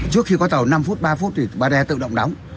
trước khi có tàu năm phút ba phút thì bard tự động đóng